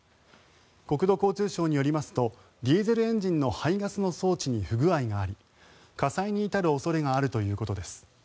国土交通省によりますとディーゼルエンジンの排ガスの装置に不具合があり火災に至る恐れがあるということです。